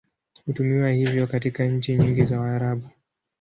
Hutumiwa hivyo katika nchi nyingi za Waarabu.